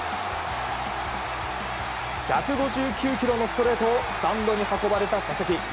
１５９キロのストレートをスタンドに運ばれた佐々木。